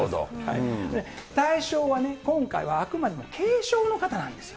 対象は今回はあくまでも軽症の方なんですよ。